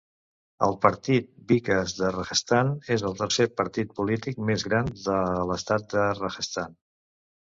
El Partit Vikas de Rajasthan és el tercer partit polític més gran de l'estat de Rajasthan.